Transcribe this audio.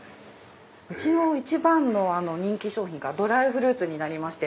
うちの一番の人気商品がドライフルーツになりまして。